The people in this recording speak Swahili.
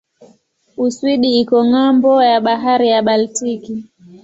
Uswidi iko ng'ambo ya bahari ya Baltiki.